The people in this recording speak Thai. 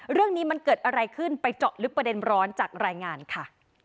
เรื่องนี้มันเกิดอะไรขึ้นไปเจาะลึกประเด็นร้อนจากรายงานค่ะ